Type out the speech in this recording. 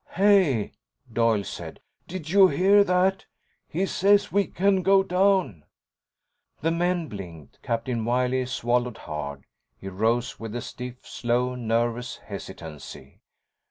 "Hey," Doyle said, "did you hear that? He says we can go down." The men blinked. Captain Wiley swallowed hard. He rose with a stiff, slow, nervous hesitancy.